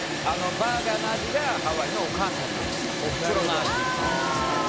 バーガーの味がハワイのお母さんの味おふくろの味。